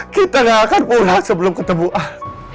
kita gak akan pulang sebelum ketemu ah